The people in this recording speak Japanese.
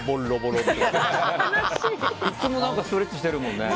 いつもストレッチしてるもんね。